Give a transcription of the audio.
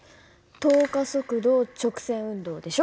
等加速度直線運動でしょ？